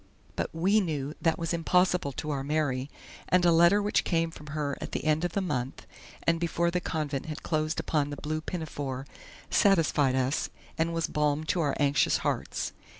But WE knew that was impossible to our Mary; and a letter which came from her at the end of the month, and before the convent had closed upon the blue pinafore, satisfied us, and was balm to our anxious hearts.